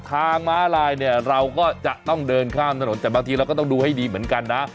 ม้าลายเนี่ยเราก็จะต้องเดินข้ามถนนแต่บางทีเราก็ต้องดูให้ดีเหมือนกันนะ